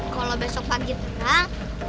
kalau besok pagi terang baru kita berangkat